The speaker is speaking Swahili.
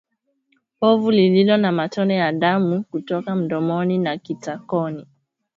Povu lililo na matone ya damu kutoka mdomoni na kitakoni